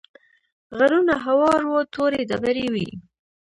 غرونه هوار وو تورې ډبرې وې.